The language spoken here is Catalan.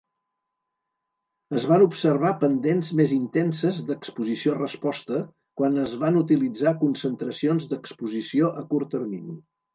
Es van observar pendents més intenses d'exposició-resposta quan es van utilitzar concentracions d'exposició a curt termini.